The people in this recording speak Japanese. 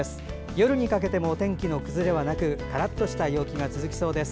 夜にかけても天気の崩れはなくカラッとした陽気が続きそうです。